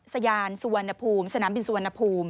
สยานสุวรรณภูมิสนามบินสุวรรณภูมิ